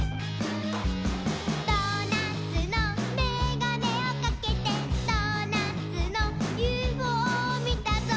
「ドーナツのメガネをかけてドーナツのＵＦＯみたぞ」